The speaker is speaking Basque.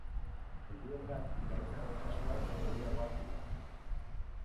Helduengan gaitzaren kasuak urriagoak dira.